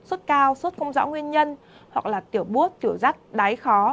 sốt cao sốt không rõ nguyên nhân hoặc là tiểu bút tiểu dắt đáy khó